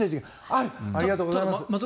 ありがとうございます。